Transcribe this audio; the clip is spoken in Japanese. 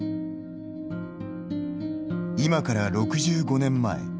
今から６５年前。